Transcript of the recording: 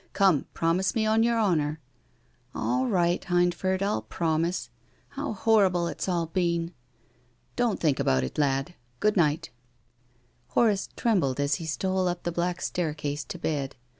Come, promise me on your honour.'' "All right, Hindford, I'll promise. How hor rible it's all been !"" Don't think about it, l.ul. Good night." 360 TONGUES OF CONSCIENCE. Horace trembled as he stole up the black stair case to bed.